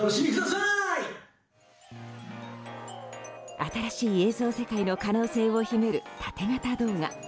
新しい映像世界の可能性を秘める縦型動画。